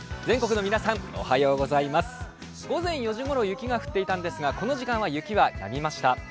全国の皆さんおはようございます午前４時ごろ雪が降っていたんですがこの時間は雪はやみました。